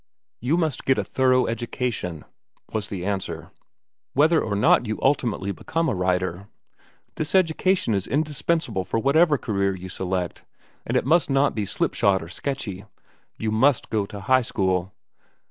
"You must get a thorough education," was the answer, "whether or not you ultimately become a writer. This education is indispensable for whatever career you select, and it must not be slipshod or sketchy. You should go to high school."